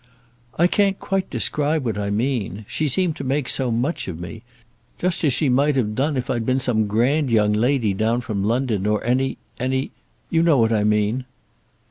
"I can't quite describe what I mean. She seemed to make so much of me; just as she might have done if I'd been some grand young lady down from London, or any, any; you know what I mean."